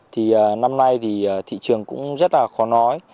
thì năm nay thì thị trường cũng rất là khó nói